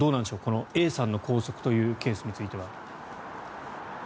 このＡさんの拘束というケースについては。